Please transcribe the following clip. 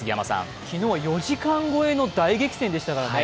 昨日、４時間超えの大激戦でしたからね。